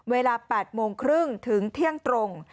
เวลา๘โมงครึ่งถึงเที่ยงตรง